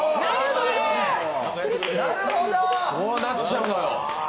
こうなっちゃうのよ。